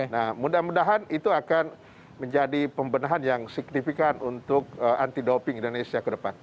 nah mudah mudahan itu akan menjadi pembenahan yang signifikan untuk anti doping indonesia ke depan